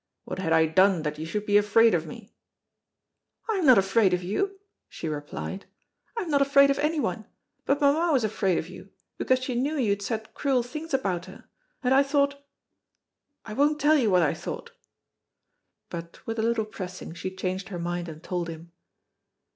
What had I done that you should be afraid of me?" "I am not afraid of you," she replied, "I am not afraid of anyone, but mamma was afraid of you because she knew you had said cruel things about her, and I thought I won't tell you what I thought." But with a little pressing she changed her mind and told him.